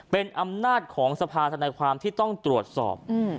เป็นอำนาจของสภาธนาความที่ต้องตรวจสอบ